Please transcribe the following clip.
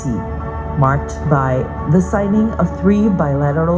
yang dimarkas oleh penyelamatkan tiga mou bilateral